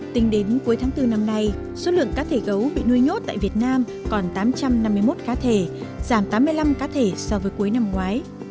tính đến cuối tháng bốn năm nay số lượng cá thể gấu bị nuôi nhốt tại việt nam còn tám trăm năm mươi một cá thể giảm tám mươi năm cá thể so với cuối năm ngoái